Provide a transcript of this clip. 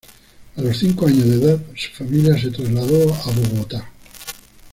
A los cinco años de edad su familia se trasladó a Bogotá.